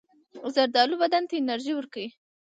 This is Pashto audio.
زردالو بدن ته انرژي ورکوي.